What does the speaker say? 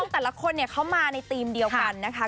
แต่ละคนเขามาในธีมเดียวกันนะคะ